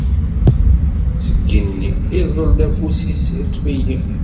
Seg yigenni, iẓẓel-d afus-is, iṭṭef-iyi.